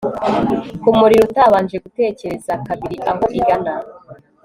Kumuriro utabanje gutekereza kabiri aho igana